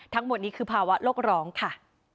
ทั้งหมดนี้คือภาวะโลกร้องค่ะ